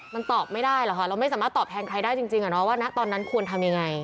มันตอบไม่ได้หรอกค่ะเราไม่สามารถตอบแทนใครได้จริงว่าณตอนนั้นควรทำยังไง